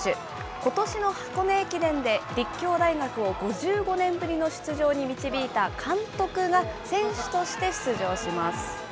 ことしの箱根駅伝で立教大学を５５年ぶりの出場に導いた監督が、選手として出場します。